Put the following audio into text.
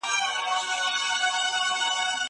زه اجازه لرم چې اوبه وڅښم!